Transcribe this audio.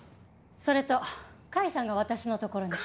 それと甲斐さんが私のところに。